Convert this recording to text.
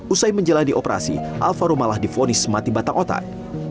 usai menjalani operasi alvaro malah difonis mati batang otak